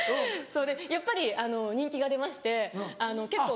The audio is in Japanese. そうでやっぱり人気が出まして結構。